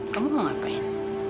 kamu mau ngapain